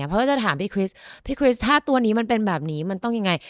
เพราะว่าจะถามพี่คริสพี่คริสถ้าตัวนี้มันเป็นแบบนี้มันต้องยังไง